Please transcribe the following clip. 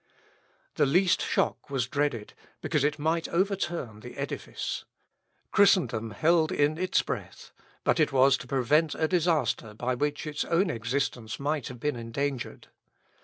The least shock was dreaded, because it might overturn the edifice. Christendom held in its breath; but it was to prevent a disaster by which its own existence might have been endangered.